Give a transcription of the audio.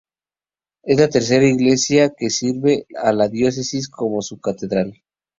Es la tercera iglesia que sirve a la diócesis como su catedral.